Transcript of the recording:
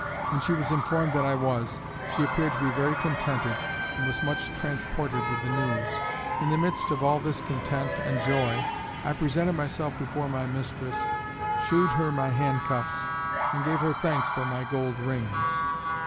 When she was informed that I was, she appeared to be very contented and was much transported with the news. In the midst of all this content and joy, I presented myself before my mistress, shewed her my hand cuffs, and gave her thanks for my gold rings.